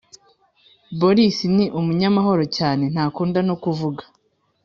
boris ni umunyamahoro cyane ntakunda no kuvuga